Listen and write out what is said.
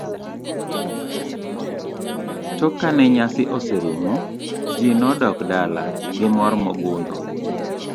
Tok kane nyasi oserumo ji nodok dala gi mor mogundho.